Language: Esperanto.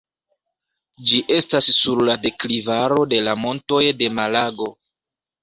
Ĝi estas sur la deklivaro de la Montoj de Malago.